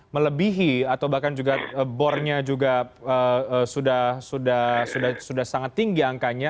melebihi atau bahkan juga bornya juga sudah sangat tinggi angkanya